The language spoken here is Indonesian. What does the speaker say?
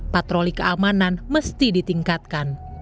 patroli keamanan mesti ditingkatkan